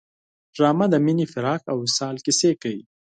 ډرامه د مینې، فراق او وصال کیسې کوي